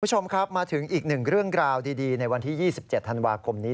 คุณผู้ชมครับมาถึงอีกหนึ่งเรื่องราวดีในวันที่๒๗ธันวาคมนี้